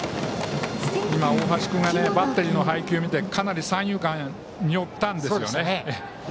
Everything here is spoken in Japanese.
今、大橋君がバッテリーの配球を見てかなり三遊間に寄ったんですね。